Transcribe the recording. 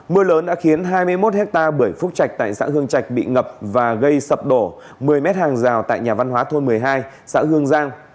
mưa lớn đã khiến hai mươi một hectare bưởi phúc trạch tại xã hương trạch bị ngập và gây sập đổ một mươi m hàng rào tại nhà văn hóa thôn một mươi hai xã hương giang